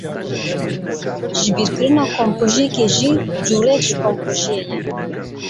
Jibîrkirina komkûjiyekê jî cureyek ji komkûjiyê ye.